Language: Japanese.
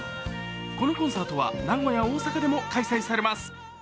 このコンサートは名古屋、大阪でも開催されます。